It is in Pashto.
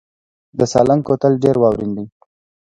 د سالنګ کوتل ډیر واورین دی